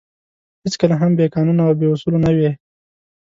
هېڅکله هم بې قانونه او بې اُصولو نه وې.